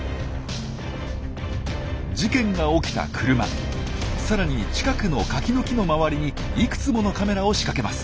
事件が起きた車さらに近くのカキの木の周りにいくつものカメラを仕掛けます。